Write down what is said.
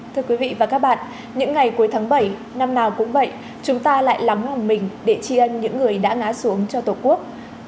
thưa quý vị và các bạn những ngày cuối tháng bảy năm nào cũng vậy chúng ta lại lắm lòng mình để tri ân những người đã ngã xuống cho tổ quốc